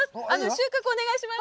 収穫お願いします。